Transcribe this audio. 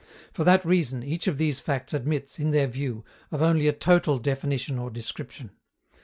For that reason, each of these facts admits, in their view, of only a total definition or description.